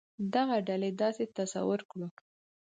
دغه ډلې داسې تصور کړو.